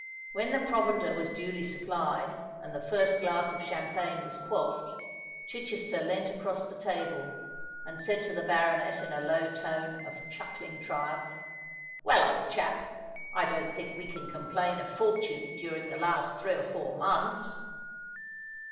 When the provender was duly supplied, and the first glass of champagne was quaffed, Chichester leant across the table, and said to the baronet in a low tone of chuckling triumph, "Well, old chap, I don't think we can complain of Fortune during the last three or four months?"